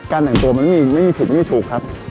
การด่างตัวมันมีไม่มีถูกครับ